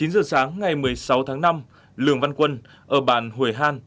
chín giờ sáng ngày một mươi sáu tháng năm lường văn quân ở bàn hồi han